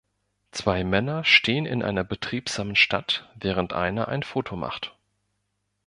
Zwei Männer stehen in einer betriebsamen Stadt, während einer ein Foto macht.